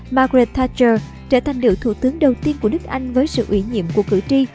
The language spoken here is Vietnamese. margaret thatcher trở thành được thủ tướng đầu tiên của đức anh với sự ủy nhiệm của cử tri